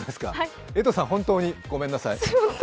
江藤さん、本当にごめんなさい。